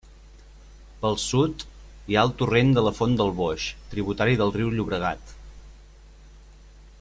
Pel sud, hi ha el torrent de la font del boix, tributari del riu Llobregat.